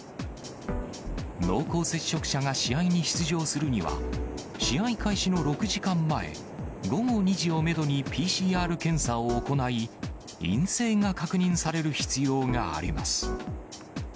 濃厚接触者が試合に出場するには、試合開始の６時間前、午後２時をメドにＰＣＲ検査を行い、陰性が確認される必要があります。